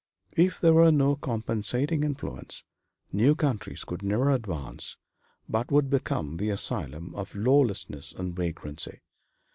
If there were no compensating influence, new countries could never advance, but would become the asylum for lawlessness and vagrancy.